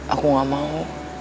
aku gak mau